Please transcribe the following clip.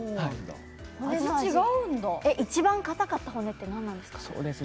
一番、硬かった骨ってなんですか？